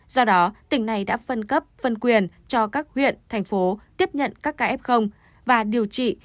do đó tỉnh này đã phân cấp phân quyền cho các huyện thành phố tiếp nhận các ca f và điều trị